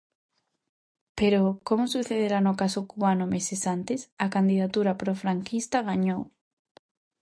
Pero, como sucedera no caso cubano meses antes, a candidatura profranquista gañou.